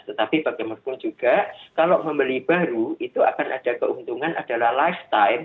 tetapi bagaimanapun juga kalau membeli baru itu akan ada keuntungan adalah lifestyle